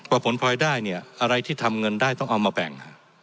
ผลพลอยได้เนี่ยอะไรที่ทำเงินได้ต้องเอามาแบ่ง